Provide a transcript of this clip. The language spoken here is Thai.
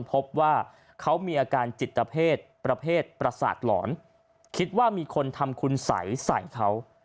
พบว่าเขามีอาการจิตเพศประเภทประสาทหลอนคิดว่ามีคนทำคุณสัยใส่เขา